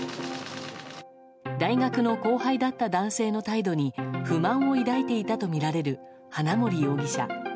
大学の後輩だった男性の態度に不満を抱いていたとみられる花森容疑者。